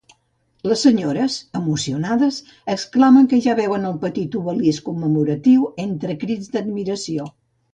Les senyores, emocionades, exclamen que ja veuen el petit obelisc commemoratiu entre crits d'admiració.